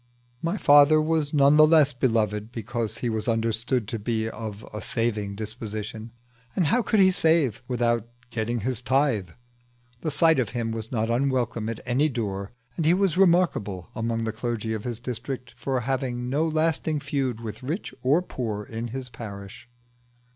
My father was none the less beloved because he was understood to be of a saving disposition, and how could he save without getting his tithe? The sight of him was not unwelcome at any door, and he was remarkable among the clergy of his district for having no lasting feud with rich or poor in his parish.